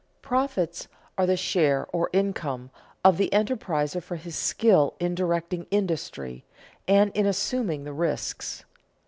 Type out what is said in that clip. Profits are the share, or income, of the enterpriser for his skill in directing industry and in assuming the risks.